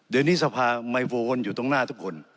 เดี๋ยวนี้สภาไมโฟนอยู่ตรงหน้าทุกคน